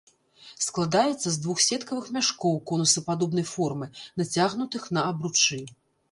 Складаецца з двух сеткавых мяшкоў конусападобнай формы, нацягнутых на абручы.